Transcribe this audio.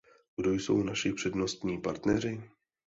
Kdo jsou naši přednostní partneři?